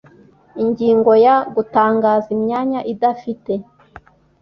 Ingingo ya Gutangaza imyanya idafite